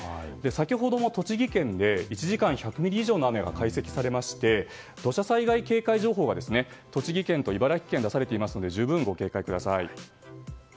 先ほども栃木県で１時間に１００ミリ以上の雨が解析されまして土砂災害警戒情報が栃木県と茨城県に出されていますので十分にご警戒ください。